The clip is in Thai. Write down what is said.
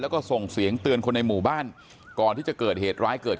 ขึ้นก็ได้